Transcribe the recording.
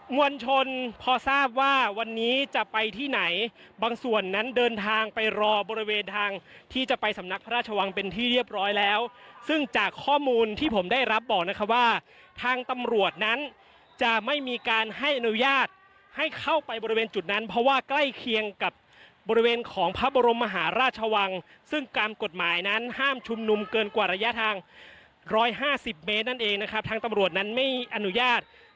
วลชนพอทราบว่าวันนี้จะไปที่ไหนบางส่วนนั้นเดินทางไปรอบริเวณทางที่จะไปสำนักพระราชวังเป็นที่เรียบร้อยแล้วซึ่งจากข้อมูลที่ผมได้รับบอกนะคะว่าทางตำรวจนั้นจะไม่มีการให้อนุญาตให้เข้าไปบริเวณจุดนั้นเพราะว่าใกล้เคียงกับบริเวณของพระบรมมหาราชวังซึ่งตามกฎหมายนั้นห้ามชุมนุมเกินกว่าระยะทาง๑๕๐เมตรนั่นเองนะครับทางตำรวจนั้นไม่อนุญาต